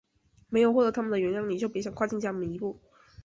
没有获得它们的原谅你就别想跨入家门一步！